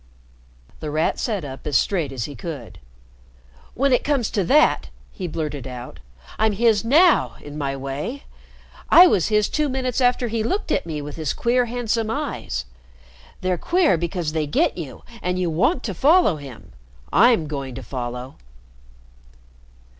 The Rat sat up as straight as he could. "When it comes to that," he blurted out, "I'm his now, in my way. I was his two minutes after he looked at me with his queer, handsome eyes. They're queer because they get you, and you want to follow him. I'm going to follow."